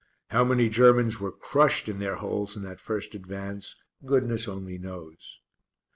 How many Germans were crushed in their holes in that first advance goodness only knows.